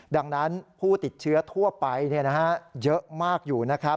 ดังนั้นผู้ติดเชื้อทั่วไปเยอะมากอยู่นะครับ